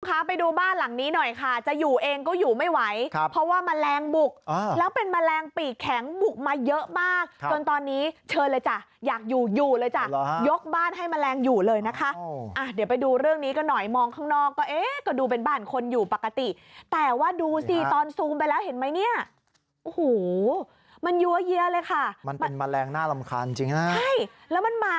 ขาไปดูบ้านหลังนี้หน่อยค่ะจะอยู่เองก็อยู่ไม่ไหวเพราะว่ามะแรงบุกแล้วเป็นมะแรงปีกแข็งบุกมาเยอะมากตอนตอนนี้เชิญเลยจ่ะอยากอยู่อยู่เลยจ่ะยกบ้านให้มะแรงอยู่เลยนะคะเดี๋ยวไปดูเรื่องนี้ก็หน่อยมองข้างนอกก็ดูเป็นบ้านคนอยู่ปกติแต่ว่าดูซิตอนซูมไปแล้วเห็นมั้ยเนี่ยโอ้โหมันยังไงเลยค่ะมันเป็นมะแรงน่ารำคาญจร